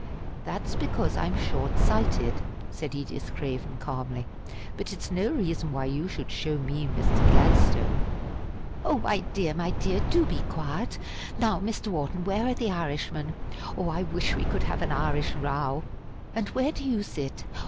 "That's because I'm short sighted," said Edith Craven, calmly; "but it's no reason why you should show me Mr. Gladstone." "Oh, my dear, my dear! do be quiet! Now, Mr. Wharton, where are the Irishmen? Oh! I wish we could have an Irish row! And where do you sit?